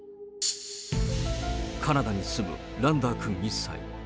カナダに住むランダーくん１歳。